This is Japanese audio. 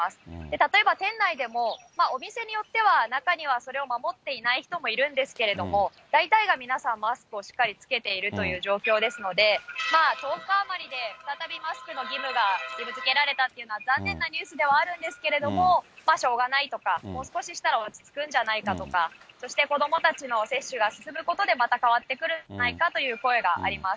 例えば店内でもお店によっては中にはそれを守っていない人もいるんですけれども、大体が皆さんマスクをしっかり着けているという状況ですので、１０日余りで再びマスクの着用が義務づけられたっていうのは残念なニュースではあるんですけれども、しょうがないとか、もう少ししたら落ち着くんじゃないかとか、そして子どもたちの接種が進むことでまた変わってくるんじゃないかという声があります。